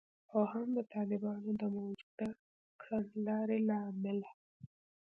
او هم د طالبانو د موجوده کړنلارې له امله